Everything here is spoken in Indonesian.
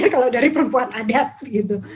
kalau dari perempuan adat gitu